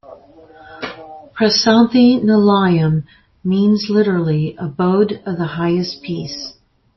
"Prasanthi Nilayam" means literally "Abode of the Highest Peace.